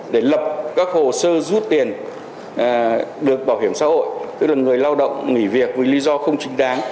để lập các hồ sơ rút tiền được bảo hiểm xã hội tức là người lao động nghỉ việc vì lý do không chính đáng